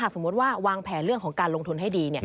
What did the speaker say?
สมมุติว่าวางแผนเรื่องของการลงทุนให้ดี